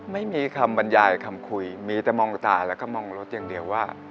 ไม่มีคำบรรยายกับคำคุยมีแต่มองตาแล้วก็มองรถอย่างเดียวว่า